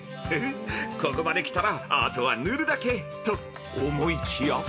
ここまで来たらあとは塗るだけと、思いきや。